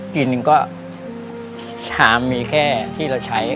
กินก็ชามมีแค่ที่เราใช้